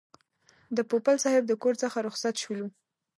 د پوپل صاحب د کور څخه رخصت شولو.